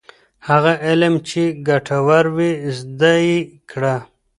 هغه علم چي ګټور وي زده یې کړه.